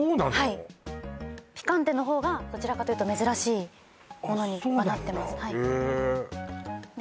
はいピカンテの方がどちらかというと珍しいものにはなってますへえで